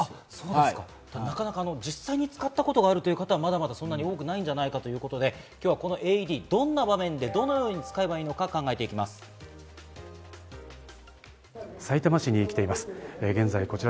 僕、お店のジムにおいてたりなかなか実際に使ったことがあるという方は、まだまだそんなに多くないんじゃないかということで、このＡＥＤ、どんな場面でどのように使えばいいのか考えていきます。